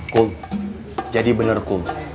kum jadi bener kum